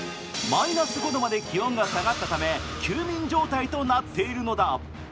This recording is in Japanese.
マイナス５度まで気温が下がったため休眠状態となっているのだ。